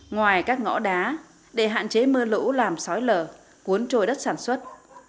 ngoài các ngõ đá để hạn chế mưa lũ làm sói lở cuốn trôi đất sản xuất